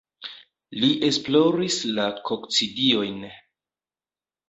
Li esploris la kokcidiojn.